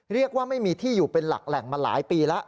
เรียกว่าไม่มีที่อยู่เป็นหลักแหล่งมาหลายปีแล้ว